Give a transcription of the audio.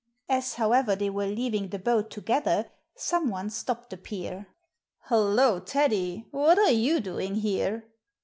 As, however, they were leaving the boat together someone stopped the peer. " Hollo, Teddy ! What are you doing here